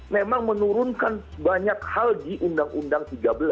memang menurunkan banyak hal di undang undang tiga belas